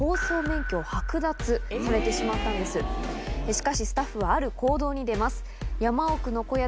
しかしスタッフはある行動に出ます。